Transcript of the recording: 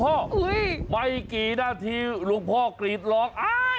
เมื่อกี๊นาทีลูกพ่อกรีดหรอก